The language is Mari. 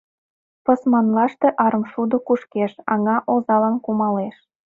Пысманлаште арымшудо кушкеш, аҥа озалан кумалеш.